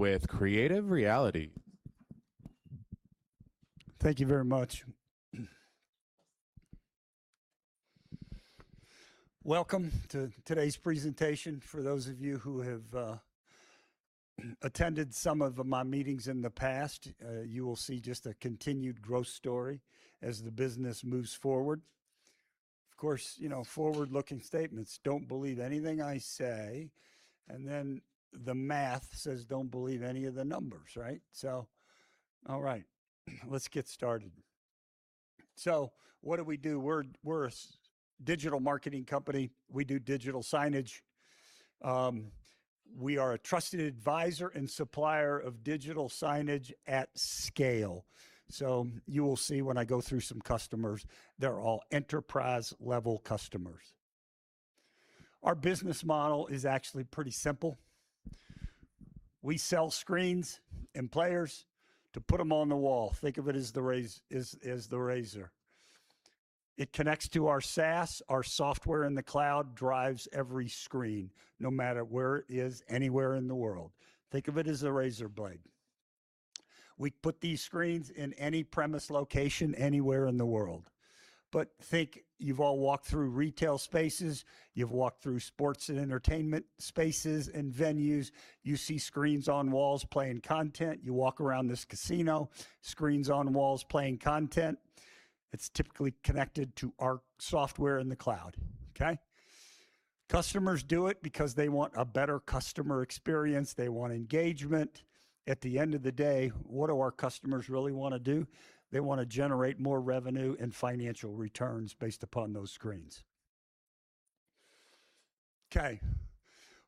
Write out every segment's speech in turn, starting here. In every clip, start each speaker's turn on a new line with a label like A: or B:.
A: With Creative Realities.
B: Thank you very much. Welcome to today's presentation. For those of you who have attended some of my meetings in the past, you will see just a continued growth story as the business moves forward. Of course, forward-looking statements, don't believe anything I say, and then the math says don't believe any of the numbers, right? All right. Let's get started. What do we do? We're a digital marketing company. We do digital signage. We are a trusted advisor and supplier of digital signage at scale. You will see when I go through some customers, they're all enterprise-level customers. Our business model is actually pretty simple. We sell screens and players to put them on the wall. Think of it as the razor. It connects to our SaaS. Our software in the cloud drives every screen, no matter where it is, anywhere in the world. Think of it as a razor blade. We put these screens in any premise location anywhere in the world. Think, you've all walked through retail spaces, you've walked through sports and entertainment spaces and venues. You see screens on walls playing content. You walk around this casino, screens on walls playing content. It's typically connected to our software in the cloud. Okay? Customers do it because they want a better customer experience. They want engagement. At the end of the day, what do our customers really want to do? They want to generate more revenue and financial returns based upon those screens. Okay.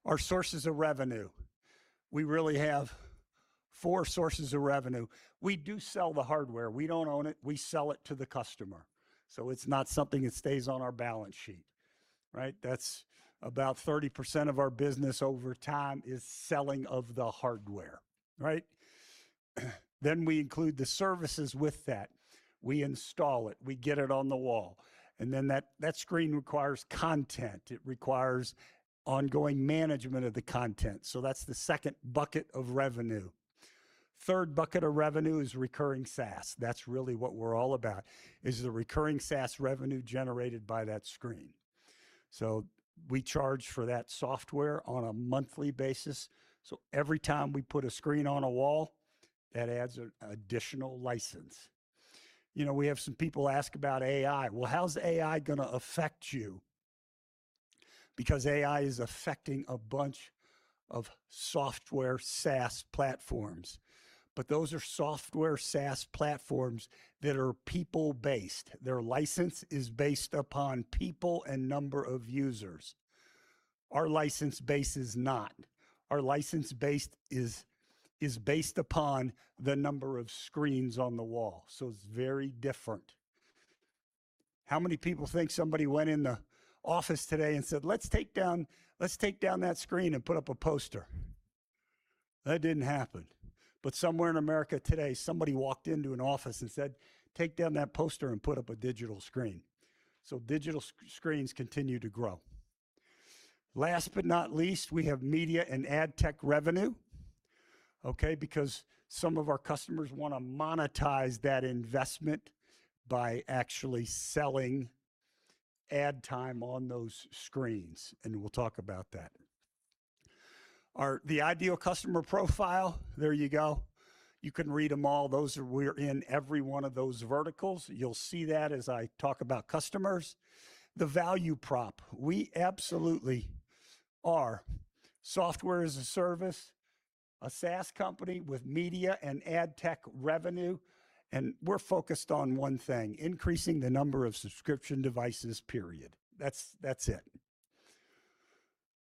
B: Our sources of revenue. We really have four sources of revenue. We do sell the hardware. We don't own it. We sell it to the customer. It's not something that stays on our balance sheet. Right? That's about 30% of our business over time is selling of the hardware. Right? We include the services with that. We install it. We get it on the wall. That screen requires content. It requires ongoing management of the content. That's the second bucket of revenue. Third bucket of revenue is recurring SaaS. That's really what we're all about, is the recurring SaaS revenue generated by that screen. We charge for that software on a monthly basis. Every time we put a screen on a wall, that adds an additional license. We have some people ask about AI. Well, how's AI going to affect you? Because AI is affecting a bunch of software SaaS platforms. Those are software SaaS platforms that are people-based. Their license is based upon people and number of users. Our license base is not. Our license base is based upon the number of screens on the wall. It's very different. How many people think somebody went in the office today and said, Let's take down that screen and put up a poster? That didn't happen. Somewhere in America today, somebody walked into an office and said, Take down that poster and put up a digital screen. Digital screens continue to grow. Last but not least, we have media and ad tech revenue. Okay? Because some of our customers want to monetize that investment by actually selling ad time on those screens. We'll talk about that. The ideal customer profile, there you go. You can read them all. We're in every one of those verticals. You'll see that as I talk about customers. The value prop. We absolutely are software as a service, a SaaS company with media and ad tech revenue. We're focused on one thing, increasing the number of subscription devices, period. That's it.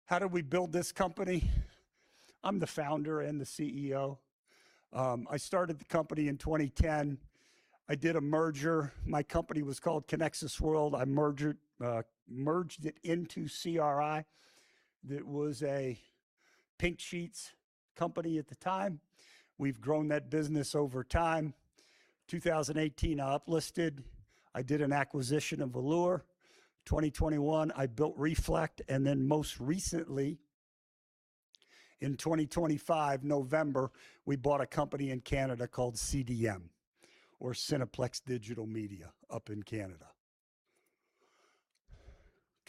B: How did we build this company? I'm the founder and the CEO. I started the company in 2010. I did a merger. My company was called ConeXus World. I merged it into CRI. That was a Pink Sheets company at the time. We've grown that business over time. 2018, I up-listed. I did an acquisition of Allure. 2021, I built Reflect, most recently, in 2025, November, we bought a company in Canada called CDM, or Cineplex Digital Media, up in Canada.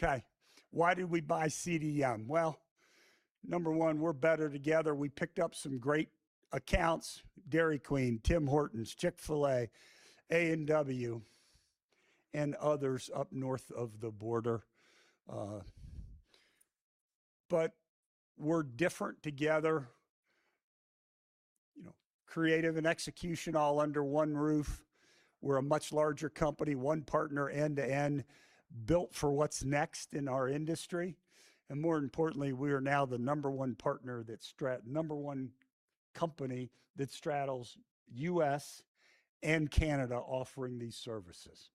B: Okay. Why did we buy CDM? Well, number one, we're better together. We picked up some great accounts, Dairy Queen, Tim Hortons, Chick-fil-A, A&W, and others up north of the border. We're different together. Creative and execution all under one roof. We're a much larger company. One partner end to end, built for what's next in our industry, more importantly, we are now the number one company that straddles U.S. and Canada offering these services.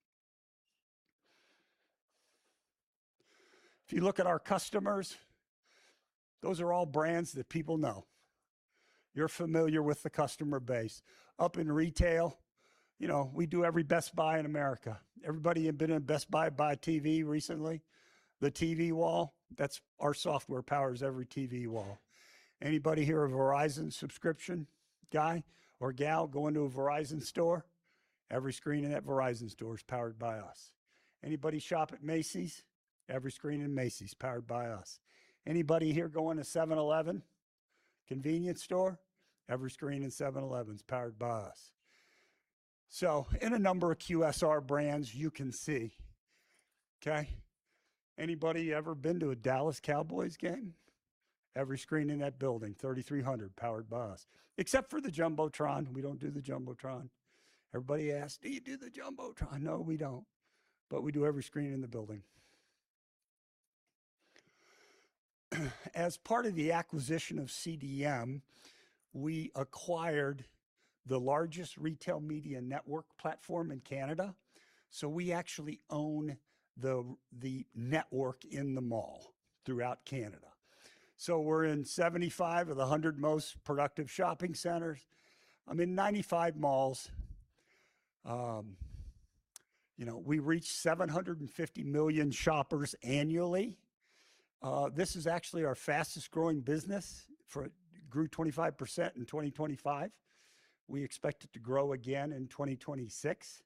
B: If you look at our customers, those are all brands that people know. You're familiar with the customer base. Up in retail We do every Best Buy in America. Everybody had been in a Best Buy to buy a TV recently? The TV wall, our software powers every TV wall. Anybody here a Verizon subscription guy or gal? Go into a Verizon store, every screen in that Verizon store is powered by us. Anybody shop at Macy's? Every screen in Macy's, powered by us. Anybody here go into 7-Eleven convenience store? Every screen in 7-Eleven is powered by us. In a number of QSR brands, you can see. Okay. Anybody ever been to a Dallas Cowboys game? Every screen in that building, 3,300, powered by us, except for the jumbotron. We don't do the jumbotron. Everybody asks, Do you do the jumbotron? No, we don't. We do every screen in the building. As part of the acquisition of CDM, we acquired the largest retail media network platform in Canada. We actually own the network in the mall throughout Canada. We're in 75 of the 100 most productive shopping centers, I mean, 95 malls. We reach 750 million shoppers annually. This is actually our fastest growing business, grew 25% in 2025. We expect it to grow again in 2026.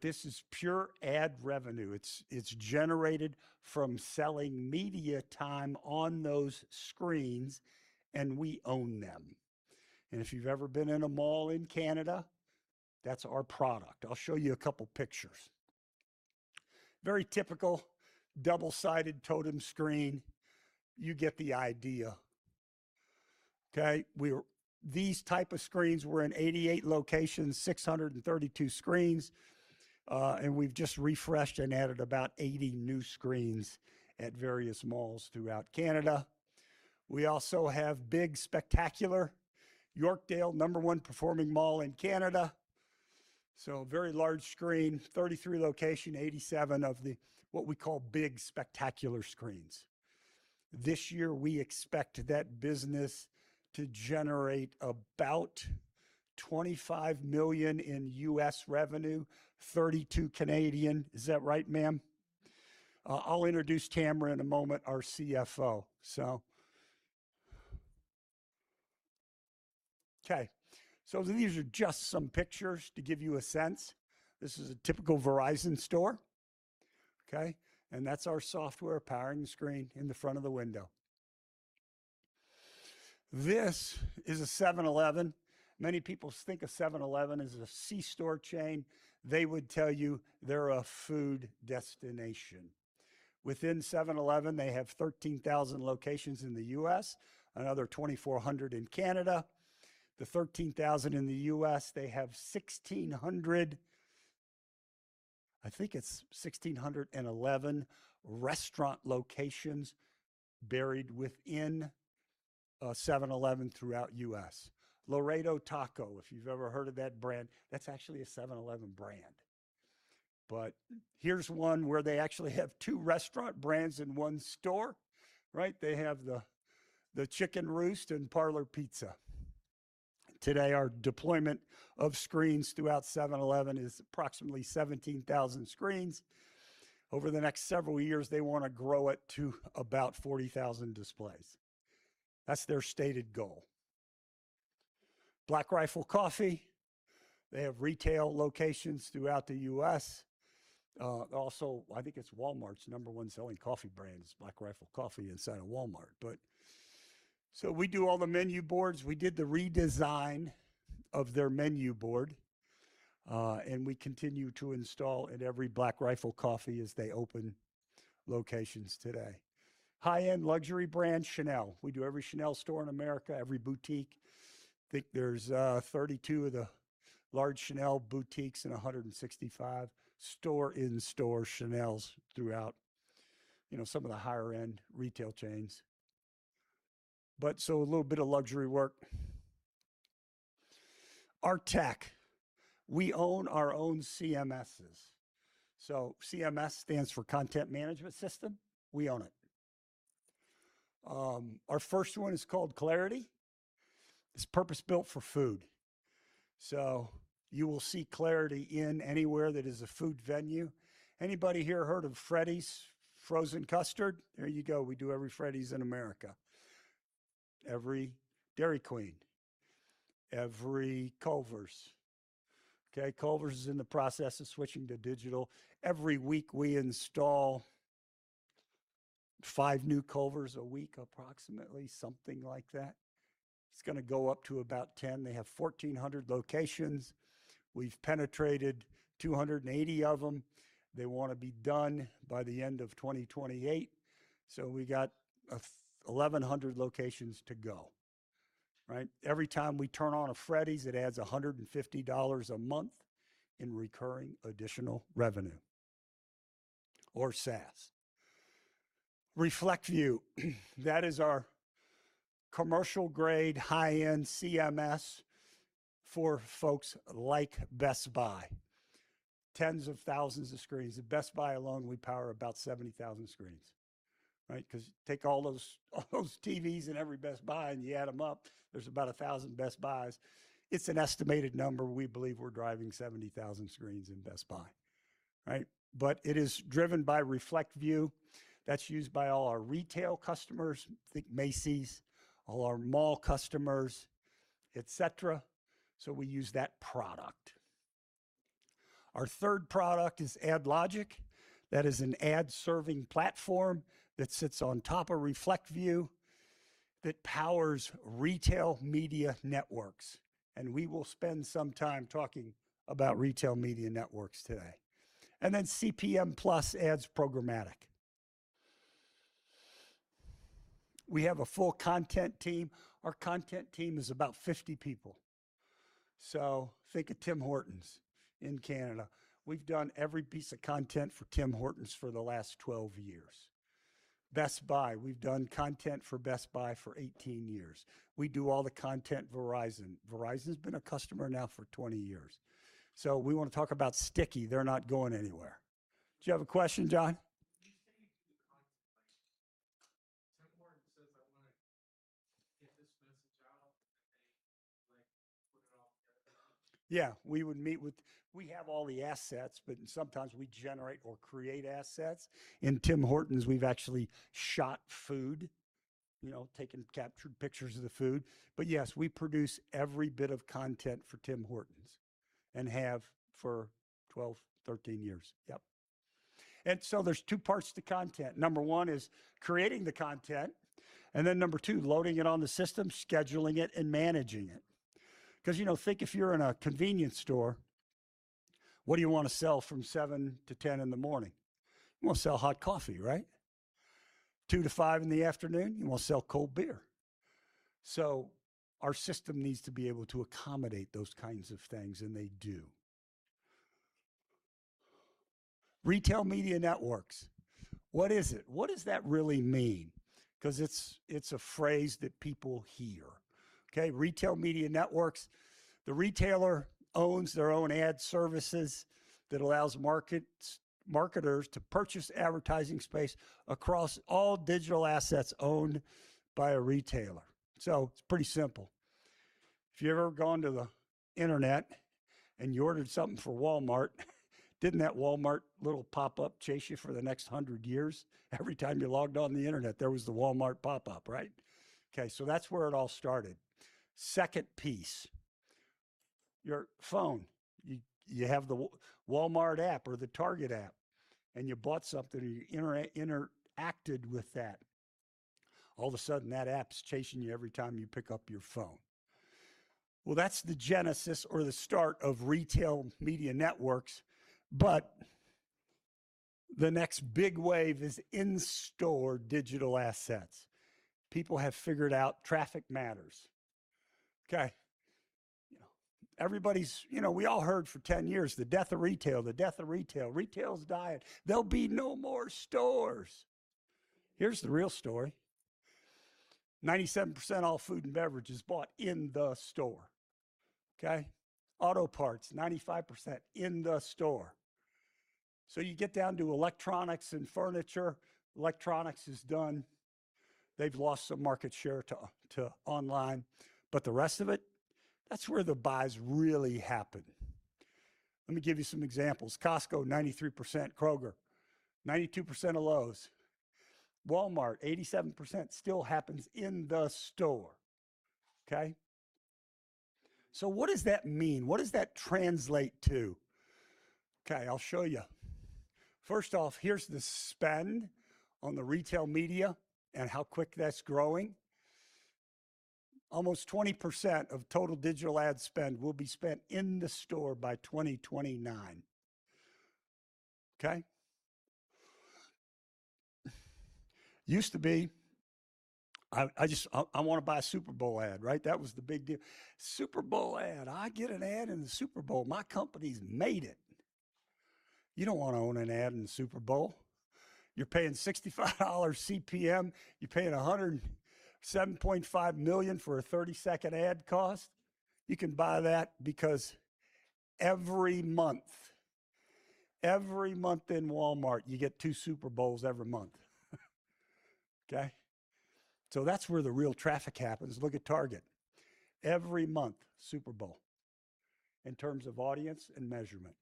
B: This is pure ad revenue. It's generated from selling media time on those screens, we own them. If you've ever been in a mall in Canada, that's our product. I'll show you a couple pictures. Very typical double-sided totem screen. You get the idea. Okay. These type of screens were in 88 locations, 632 screens. We've just refreshed and added about 80 new screens at various malls throughout Canada. We also have big, spectacular Yorkdale, number one performing mall in Canada. Very large screen, 33 locations, 87 of the, what we call big, spectacular screens. This year, we expect that business to generate about $25 million in U.S. revenue, 32. Is that right, ma'am? I'll introduce Tamra in a moment, our CFO. These are just some pictures to give you a sense. This is a typical Verizon store. Okay. That's our software powering the screen in the front of the window. This is a 7-Eleven. Many people think of 7-Eleven as a C-store chain. They would tell you they're a food destination. Within 7-Eleven, they have 13,000 locations in the U.S., another 2,400 in Canada. The 13,000 in the U.S., they have 1,600, I think it's 1,611 restaurant locations buried within 7-Eleven throughout U.S. Laredo Taco, if you've ever heard of that brand, that's actually a 7-Eleven brand. Here's one where they actually have two restaurant brands in one store, right? They have the Chicken Roost and Parlor Pizza. Today, our deployment of screens throughout 7-Eleven is approximately 17,000 screens. Over the next several years, they want to grow it to about 40,000 displays. That's their stated goal. Black Rifle Coffee, they have retail locations throughout the U.S. Also, I think it's Walmart's number one selling coffee brand is Black Rifle Coffee inside of Walmart. We do all the menu boards. We did the redesign of their menu board. We continue to install at every Black Rifle Coffee as they open locations today. High-end luxury brand, Chanel. We do every Chanel store in America, every boutique. I think there's 32 of the large Chanel boutiques and 165 store-in-store Chanels throughout some of the higher-end retail chains. A little bit of luxury work. Our tech. We own our own CMSs. CMS stands for content management system. We own it. Our first one is called Clarity. It's purpose-built for food. You will see Clarity in anywhere that is a food venue. Anybody here heard of Freddy's Frozen Custard? There you go. We do every Freddy's in America, every Dairy Queen, every Culver's. Okay, Culver's is in the process of switching to digital. Every week we install five new Culver's a week, approximately, something like that. It's going to go up to about 10. They have 1,400 locations. We've penetrated 280 of them. They want to be done by the end of 2028. We got 1,100 locations to go. Right? Every time we turn on a Freddy's, it adds $150 a month in recurring additional revenue or SaaS. ReflectView, that is our commercial-grade, high-end CMS for folks like Best Buy. Tens of thousands of screens. At Best Buy alone, we power about 70,000 screens. Take all those TVs in every Best Buy and you add them up, there's about 1,000 Best Buys. It's an estimated number. We believe we're driving 70,000 screens in Best Buy. It is driven by ReflectView. That's used by all our retail customers, think Macy's, all our mall customers, et cetera. We use that product. Our third product is AdLogic. That is an ad-serving platform that sits on top of ReflectView that powers retail media networks. We will spend some time talking about retail media networks today. CPM+ adds programmatic. We have a full content team. Our content team is about 50 people. Think of Tim Hortons in Canada. We've done every piece of content for Tim Hortons for the last 12 years. Best Buy, we've done content for Best Buy for 18 years. We do all the content for Verizon. Verizon's been a customer now for 20 years. We want to talk about sticky. They're not going anywhere. Do you have a question, John?
C: When you say you do the content, Tim Hortons says, I want to get this message out and they put it all together.
B: Yeah. We have all the assets, but sometimes we generate or create assets. In Tim Hortons, we've actually shot food, taken captured pictures of the food. Yes, we produce every bit of content for Tim Hortons and have for 12, 13 years. Yep. There's two parts to content. Number one is creating the content, then number two, loading it on the system, scheduling it, and managing it. Because think if you're in a convenience store, what do you want to sell from 7:00 A.M. to 10:00 A.M. in the morning? You want to sell hot coffee, right? 2:00 P.M. to 5:00 P.M. in the afternoon, you want to sell cold beer. Our system needs to be able to accommodate those kinds of things, and they do. Retail media networks. What is it? What does that really mean? Because it's a phrase that people hear. Retail media networks, the retailer owns their own ad services that allows marketers to purchase advertising space across all digital assets owned by a retailer. It's pretty simple. If you've ever gone to the internet and you ordered something from Walmart, didn't that Walmart little pop-up chase you for the next 100 years? Every time you logged on the internet, there was the Walmart pop-up. That's where it all started. Second piece, your phone. You have the Walmart app or the Target app, and you bought something, or you interacted with that. All of a sudden, that app's chasing you every time you pick up your phone. That's the genesis or the start of retail media networks. The next big wave is in-store digital assets. People have figured out traffic matters. We all heard for 10 years, The death of retail. The death of retail. Retail's dying. There'll be no more stores. Here's the real story. 97% all food and beverage is bought in the store. Okay? Auto parts, 95% in the store. You get down to electronics and furniture. Electronics is done. They've lost some market share to online, but the rest of it, that's where the buys really happen. Let me give you some examples. Costco, 93%, Kroger, 92% of Lowe's. Walmart, 87% still happens in the store. What does that mean? What does that translate to? I'll show you. First off, here's the spend on the retail media and how quick that's growing. Almost 20% of total digital ad spend will be spent in the store by 2029. Used to be I want to buy a Super Bowl ad. That was the big deal. Super Bowl ad. I get an ad in the Super Bowl. My company's made it. You don't want to own an ad in the Super Bowl. You're paying $65 CPM. You're paying $107.5 million for a 30-second ad cost. You can buy that because every month in Walmart, you get two Super Bowls every month. That's where the real traffic happens. Look at Target. Every month, Super Bowl in terms of audience and measurement.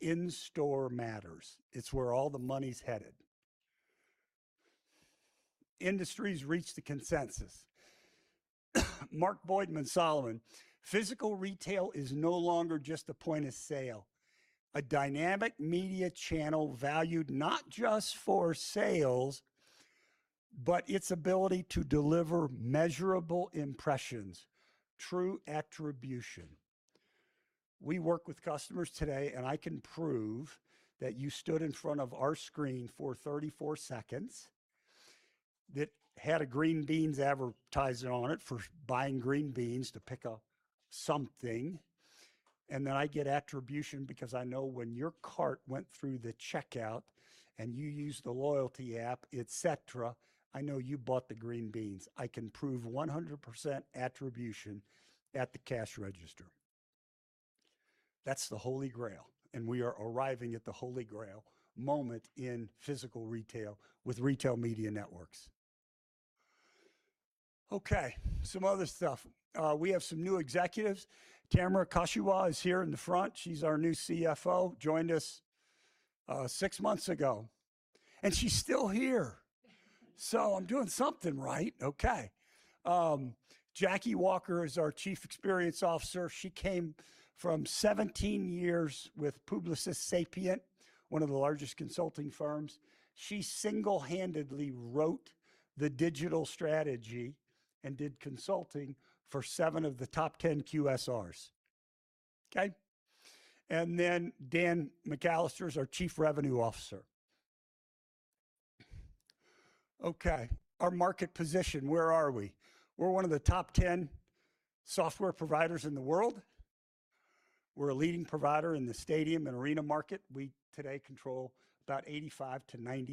B: In-store matters. It's where all the money's headed. Industry's reached a consensus. Mark Boidman Solomon: Physical retail is no longer just a point of sale. A dynamic media channel valued not just for sales, but its ability to deliver measurable impressions, true attribution. We work with customers today, and I can prove that you stood in front of our screen for 34 seconds, that had a green beans advertisement on it for buying green beans to pick up something. I get attribution because I know when your cart went through the checkout and you used the loyalty app, et cetera, I know you bought the green beans. I can prove 100% attribution at the cash register. That's the Holy Grail, and we are arriving at the Holy Grail moment in physical retail with retail media networks. Okay, some other stuff. We have some new executives. Tamra Koshewa is here in the front. She's our new CFO, joined us six months ago, and she's still here. I'm doing something right. Okay. Jackie Walker is our Chief Experience Officer. She came from 17 years with Publicis Sapient, one of the largest consulting firms. She single-handedly wrote the digital strategy and did consulting for seven of the top 10 QSRs. Okay? Dan McAllister is our Chief Revenue Officer. Okay. Our market position, where are we? We're one of the top 10 software providers in the world. We're a leading provider in the stadium and arena market. We today control about 85-90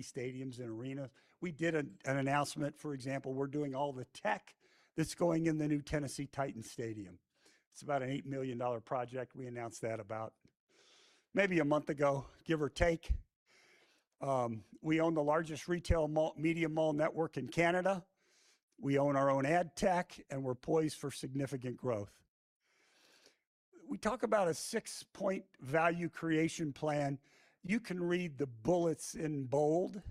B: stadiums and arenas. We did an announcement, for example, we're doing all the tech that's going in the new Tennessee Titans stadium. It's about an $8 million project. We announced that about maybe a month ago, give or take. We own the largest retail media mall network in Canada. We own our own ad tech, and we're poised for significant growth. We talk about a six-point value creation plan. You can read the bullets in bold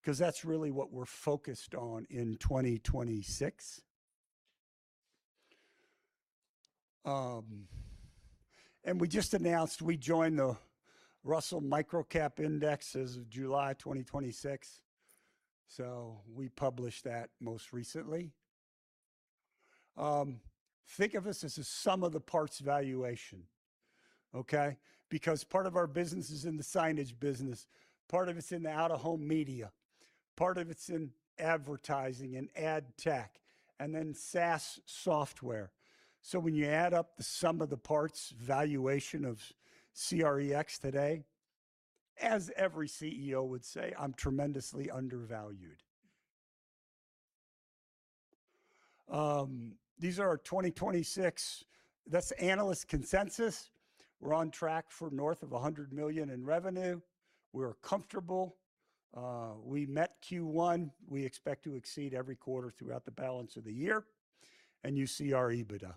B: because that's really what we're focused on in 2026. We just announced we joined the Russell Microcap Index as of July 2026, so we published that most recently. Think of us as a sum-of-the-parts valuation. Okay? Part of our business is in the signage business, part of it's in the out-of-home media, part of it's in advertising and ad tech, and then SaaS software. When you add up the sum-of-the-parts valuation of CREX today, as every CEO would say, I'm tremendously undervalued. These are our 2026. That's analyst consensus. We're on track for north of $100 million in revenue. We're comfortable. We met Q1. We expect to exceed every quarter throughout the balance of the year. You see our EBITDA.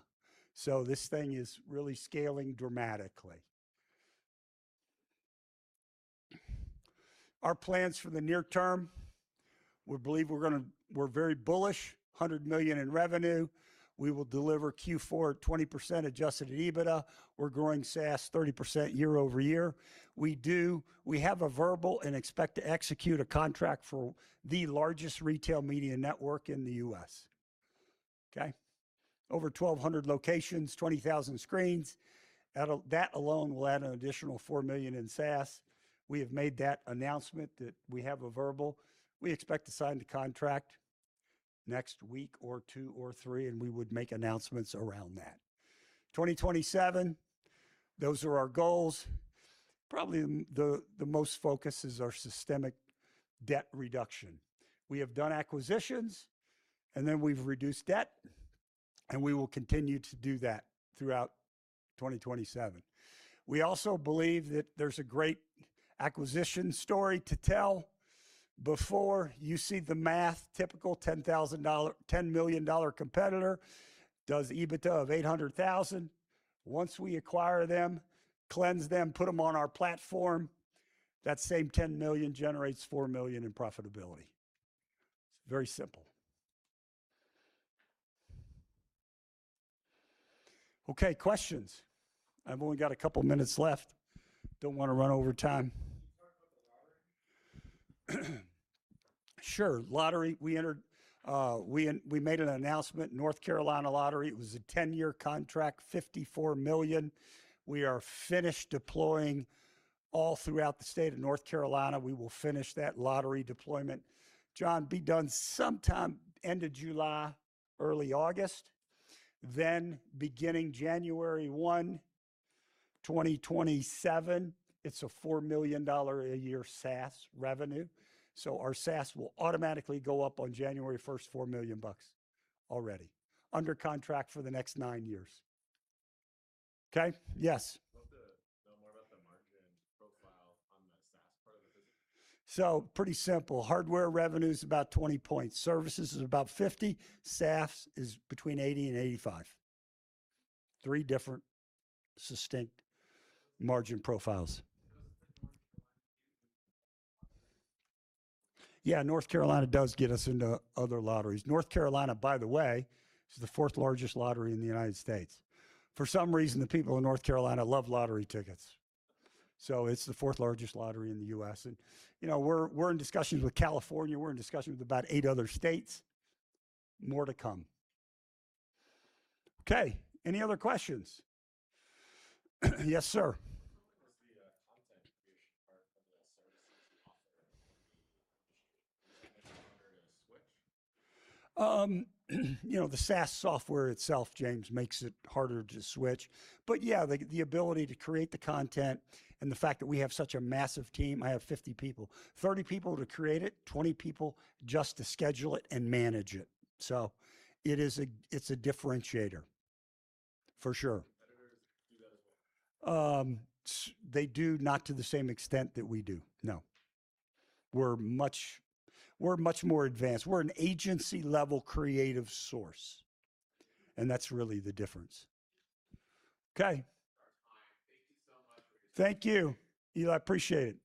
B: This thing is really scaling dramatically. Our plans for the near term, we're very bullish, $100 million in revenue. We will deliver Q4 at 20% adjusted EBITDA. We're growing SaaS 30% year-over-year. We have a verbal and expect to execute a contract for the largest retail media network in the U.S. Okay? Over 1,200 locations, 20,000 screens. That alone will add an additional $4 million in SaaS. We have made that announcement that we have a verbal. We expect to sign the contract next week or two or three, we would make announcements around that. 2027, those are our goals. Probably the most focus is our systemic debt reduction. We have done acquisitions, then we've reduced debt, we will continue to do that throughout 2027. We also believe that there's a great acquisition story to tell. Before, you see the math, typical $10 million competitor does EBITDA of $800,000. Once we acquire them, cleanse them, put them on our platform, that same $10 million generates $4 million in profitability. Very simple. Okay. Questions? I've only got a couple minutes left. Don't want to run over time.
C: Can you talk about the lottery?
B: Sure. Lottery, we made an announcement, North Carolina Lottery. It was a 10-year contract, $54 million. We are finished deploying all throughout the state of North Carolina. We will finish that lottery deployment, John, be done sometime end of July, early August. Beginning January 1, 2027, it's a $4 million a year SaaS revenue. Our SaaS will automatically go up on January 1st $4 million already. Under contract for the next nine years. Okay? Yes.
C: I'd love to know more about the margin profile on the SaaS part of the business.
B: Pretty simple. Hardware revenue is about 20 points. Services is about 50. SaaS is between 80 and 85. Three different succinct margin profiles.
C: Does the North Carolina deal get you into other lotteries?
B: Yeah. North Carolina does get us into other lotteries. North Carolina, by the way, is the fourth largest lottery in the United States. For some reason, the people of North Carolina love lottery tickets, it's the fourth largest lottery in the U.S. We're in discussions with California. We're in discussions with about eight other states. More to come. Okay. Any other questions? Yes, sir.
D: What role does the content creation part of the services you offer make it harder to switch?
B: The SaaS software itself, James, makes it harder to switch. Yeah, the ability to create the content and the fact that we have such a massive team, I have 50 people, 30 people to create it, 20 people just to schedule it and manage it. It's a differentiator for sure.
D: Competitors do that as well?
B: They do not to the same extent that we do, no. We're much more advanced. We're an agency-level creative source, and that's really the difference. Okay.
A: All right. Fine. Thank you so much for your time.
B: Thank you. I appreciate it.